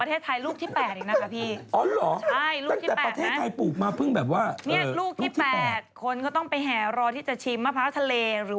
ต้องบอกว่าด้ายตกผล